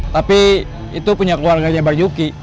tapi itu punya keluarganya bang juki